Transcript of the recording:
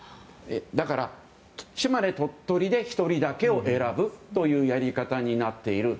だから、島根・鳥取で１人だけを選ぶということになっている。